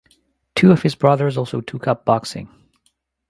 Two of his brothers also took up boxing.